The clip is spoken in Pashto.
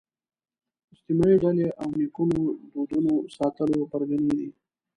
اجتماعي ډلې او نیکونو دودونو ساتلو پرګنې دي